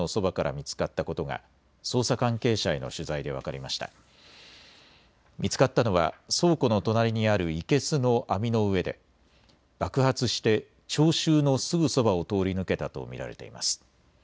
見つかったのは倉庫の隣にある生けすの網の上で爆発して聴衆のすぐそばを通り抜けたと見られています。